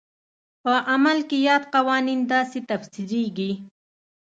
په عمل کې یاد قوانین داسې تفسیرېږي.